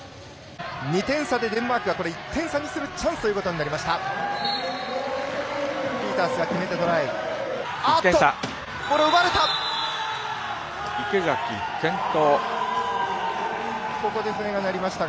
２点差でデンマークが１点差にするチャンスとなりました。